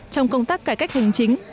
trong công tác cải cách hành chính